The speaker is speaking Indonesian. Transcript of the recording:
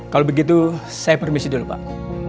kalau begitu saya permisi dulu pak